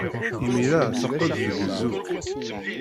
Imir-a, teqqel tgezzu-k.